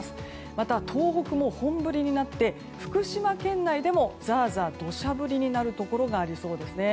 また、東北も本降りになって福島県内でもザーザーと土砂降りになるところがありそうですね。